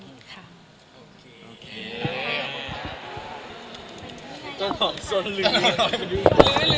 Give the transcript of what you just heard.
อยากให้พี่ป้าพาลูกเข้ามาทำงานวงการได้